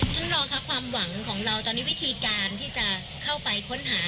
ท่านรองค่ะความหวังของเราตอนนี้วิธีการที่จะเข้าไปค้นหา